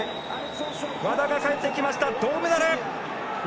和田が帰ってきました銅メダル！